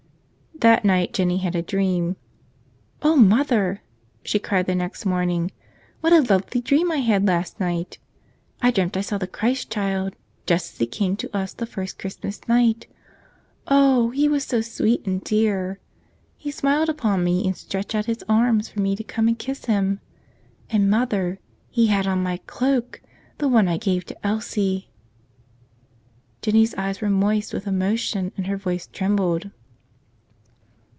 That night Jennie had a dream. "Oh, mother," she cried the next morning, "what a lovely dream I had last night. I dreamt I saw the Christ Child, just as He came to us the first Christmas night. Oh, He was so sweet and dear ! He smiled upon me and stretched out His arms for me to come and kiss Him. And, mother — He had on my cloak — the one I gave to Elsie." Jennie's eyes were moist with emotion and her voice trembled.